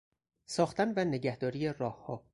ساختن و نگهداری راهها